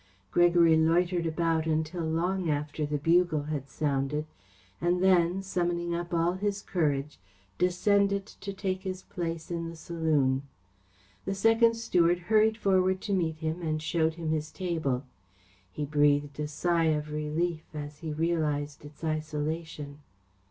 Gregory loitered about until long after the bugle had sounded, and then, summoning up all his courage, descended to take his place in the saloon. The second steward hurried forward to meet him and showed him his table. He breathed a sigh of relief as he realised its isolation.